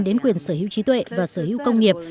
đến quyền sở hữu trí tuệ và sở hữu công nghiệp